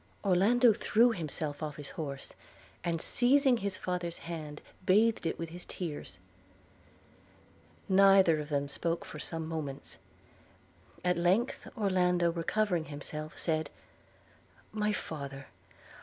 Orlando threw himself off his horse, and, seizing his father's hand, bathed it with his tears. Neither of them spoke for some moments. At length Orlando, recovering himself, said: 'My father!